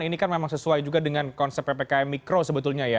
ini kan memang sesuai juga dengan konsep ppkm mikro sebetulnya ya